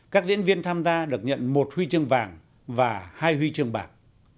các diễn viên tham gia được nhận một huy chương vàng và hai huy chương bạc